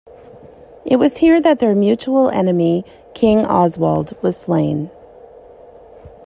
It was here that their mutual enemy, king Oswald was slain.